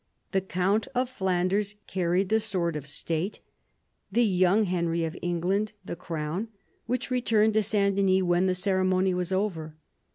The count of Flanders carried the sword of state, the young Henry of England the crown, which returned to S. Denys when the ceremony was over.